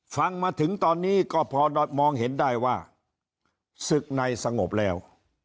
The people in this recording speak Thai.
ฟังมาถึงตอนนี้ก็พอมองเห็นได้ว่าศึกในสงบแล้ว